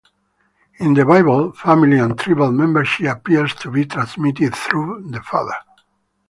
In the Bible, family and tribal membership appears to be transmitted through the father.